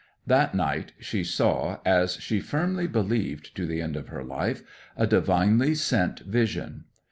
'That night she saw (as she firmly believed to the end of her life) a divinely sent vision.